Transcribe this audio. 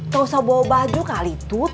kau usah bawa baju kali tut